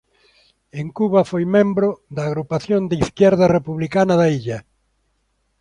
En Cuba foi membro da Agrupación de Izquierda Republicana da illa.